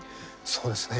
そうですね